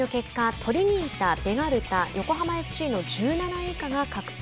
トリニータ、ベガルタ横浜ＦＣの１７位以下が確定。